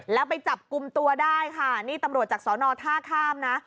แล้วไปจับกลุ่มตัวได้ค่ะนี่ตำรวจจากสอนอท่าข้ามนะ